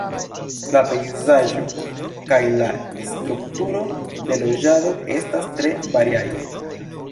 La pejzaĝo kaj la strukturo de loĝado estas tre variaj.